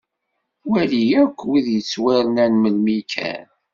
Wali akk wid yettwarnan melmi kan.